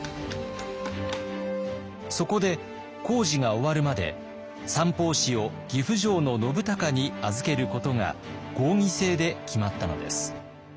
そこで工事が終わるまで三法師を岐阜城の信孝に預けることが合議制で決まったのです。